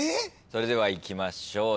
それではいきましょう。